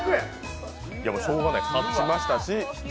しょうがない、勝ちましたし。